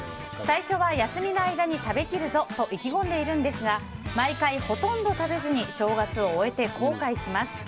最初は休みの間に食べきるぞと意気込んでいるんですが毎回ほとんど食べずに正月を終えて後悔します。